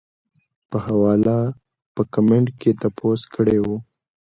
پۀ حواله پۀ کمنټ کښې تپوس کړے وۀ -